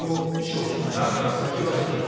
だから先走るな。